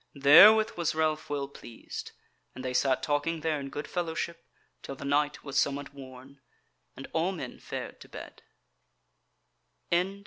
Therewith was Ralph well pleased, and they sat talking there in good fellowship till the night was somewhat worn, and all men fared to bed.